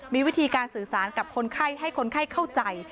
มีวิธีการสื่อสารกับคนไข้ให้คนไข้เข้าใจ